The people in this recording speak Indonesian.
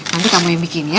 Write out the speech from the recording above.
nanti kamu yang bikin ya